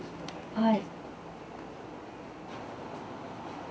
はい。